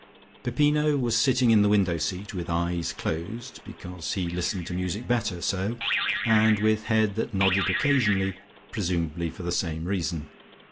Peppino was sitting in the window seat, with eyes closed, because he listened to music better so, and with head that nodded occasionally, presumably for the same reason.